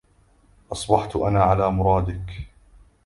أصبحت أنا على مرادك